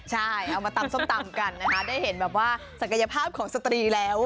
ใช่เอามาตำส้มตำกันนะคะได้เห็นแบบว่าศักยภาพของสตรีแล้ว